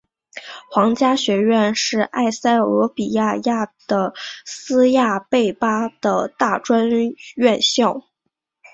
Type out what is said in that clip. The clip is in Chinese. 皇家学院是埃塞俄比亚亚的斯亚贝巴的大专院校。